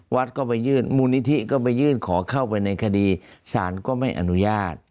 วัดก็ไปยื่นมูลนิธิก็ไปยื่นขอเข้าไปในคดีสารก็ไม่อนุญาต